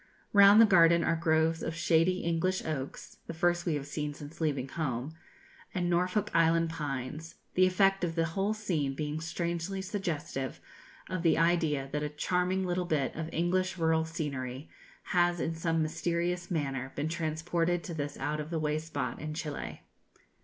Round the garden are groves of shady English oaks (the first we have seen since leaving home) and Norfolk Island pines, the effect of the whole scene being strangely suggestive of the idea that a charming little bit of English rural scenery has in some mysterious manner been transported to this out of the way spot in Chili.